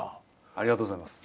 ありがとうございます。